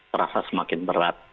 tertawa semakin berat